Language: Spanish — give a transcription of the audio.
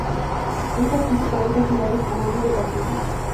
Han participado en festivales como Vive Latino.